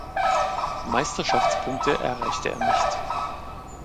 Meisterschaftspunkte erreichte er nicht.